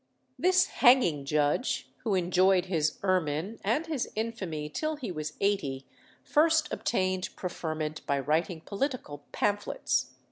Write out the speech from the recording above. This "hanging judge," who enjoyed his ermine and his infamy till he was eighty, first obtained preferment by writing political pamphlets.